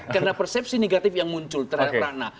karena persepsi negatif yang muncul terhadap rana